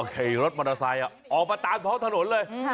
ขี่รถมอเตอร์ไซค์ออกมาตามท้องถนนเลย